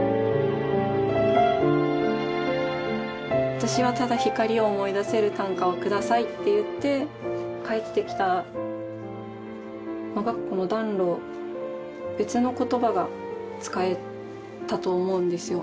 私はただひかりを思い出せる短歌をくださいって言って返ってきたのがこの暖炉別の言葉が使えたと思うんですよ。